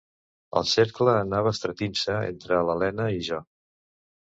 El cercle anava estretint-se entre l’Elena i jo.